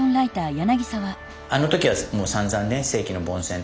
あの時はもうさんざんね世紀の凡戦とかね。